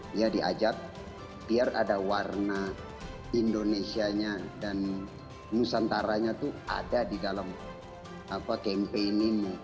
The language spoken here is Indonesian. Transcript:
dia diajak biar ada warna indonesianya dan nusantaranya itu ada di dalam campaign ini